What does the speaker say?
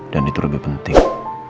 dan itu lebih penting